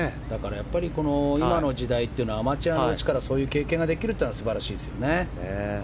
やっぱり今の時代はアマチュアのうちからそういう経験ができるのが素晴らしいですよね。